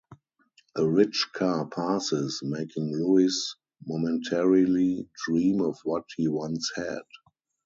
A rich car passes, making Louis momentarily dream of what he once had.